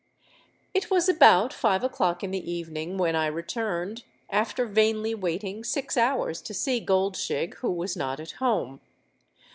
"It was about five o'clock in the evening when I returned, after vainly waiting six hours to see Goldshig, who was not at home.